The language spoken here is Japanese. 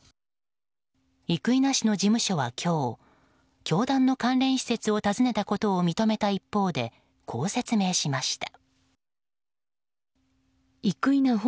生稲氏の事務所は今日教団の関連施設を訪ねたことを認めた一方でこう説明しました。